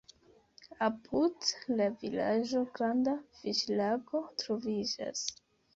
Apud la vilaĝo granda fiŝlago troviĝas.